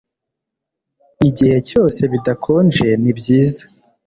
Igihe cyose bidakonje nibyiza